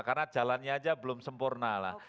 karena jalannya aja belum sempurna lah